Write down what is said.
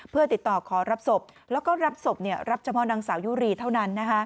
เพื่อติดต่อขอรับศพแล้วก็รับศพรับเฉพาะนางสาวยุรีเท่านั้น